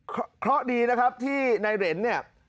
ค่ะอ่ะเคราะดีนะครับที่ในเหรนเนี่ย